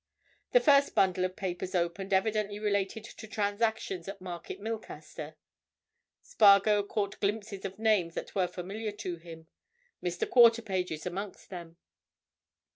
The first bundle of papers opened evidently related to transactions at Market Milcaster: Spargo caught glimpses of names that were familiar to him, Mr. Quarterpage's amongst them.